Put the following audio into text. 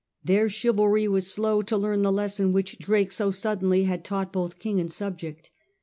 Their chivalry was slow to learn the lesson which Di ake so suddenly had taught both king and subject.